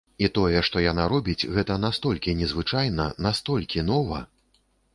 І тое, што яна робіць, гэта настолькі незвычайна, настолькі нова!